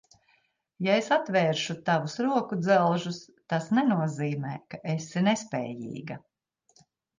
Ja es atvēršu tavus rokudzelžus, tas nenozīmē, ka esi nespējīga.